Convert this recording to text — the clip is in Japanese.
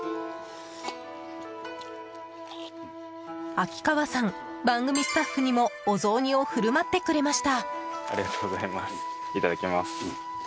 秋川さん、番組スタッフにもお雑煮を振る舞ってくれました。